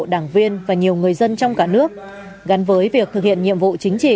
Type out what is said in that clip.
đảng viên và nhiều người dân trong cả nước gắn với việc thực hiện nhiệm vụ chính trị